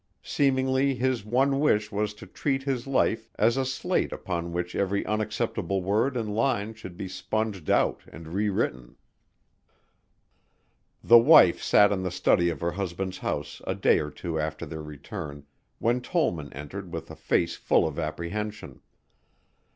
Seemingly his one wish was to treat his life as a slate upon which every unacceptable word and line should be sponged out and rewritten. The wife sat in the study of her husband's house a day or two after their return, when Tollman entered with a face full of apprehension.